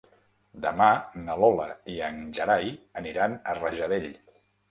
Demà na Lola i en Gerai aniran a Rajadell.